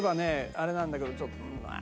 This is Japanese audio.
あれなんだけどちょっとうわあ。